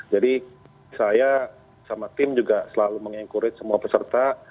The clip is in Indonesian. jadi saya sama tim juga selalu meng encourage semua peserta